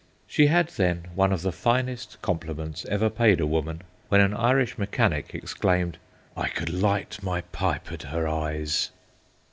She had then one of the finest compliments ever paid a woman, when an Irish mechanic ex claimed, * I could light my pipe at her eyes